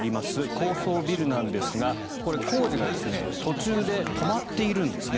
高層ビルなんですがこれ、工事が途中で止まっているんですね。